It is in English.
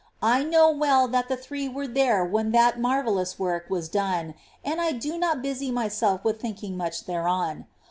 I know well that the Three were there when that marvellous work was done, and I do not busy myself with much thinking thereon.